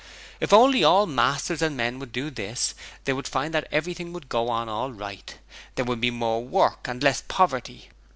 If only all masters and men would do this they would find that everything would go on all right, there would be more work and less poverty.